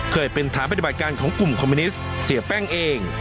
เคยเป็นฐานปฏิบัติการของกลุ่มคอมมิวนิสต์เสียแป้งเอง